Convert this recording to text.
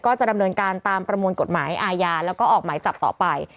จะดำเนินการตามประมวลกฎหมายอาญาแล้วก็ออกหมายจับต่อไป